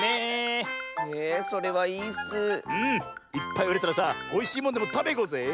いっぱいうれたらさおいしいものでもたべにいこうぜ！